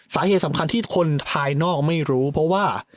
สาเหตุสำคัญที่คนภายนอกไม่รู้เพราะว่า